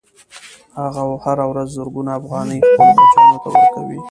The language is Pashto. هغه هره ورځ زرګونه افغانۍ خپلو بچیانو ته ورکوي